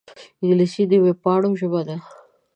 انګلیسي د وېبپاڼو ژبه ده